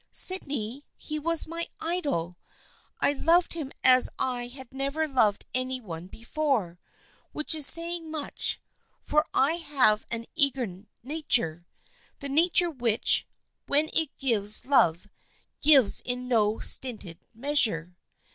Sydney, he was my idol ! I loved him as I had never loved any one before, which is saying much, for I have an eager nature. The nature which, when it gives love, gives in no stinted measure.